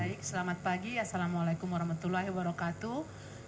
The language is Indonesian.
baik selamat pagi assalamualaikum warahmatullahi wabarakatuh